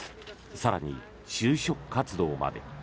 更に、就職活動まで。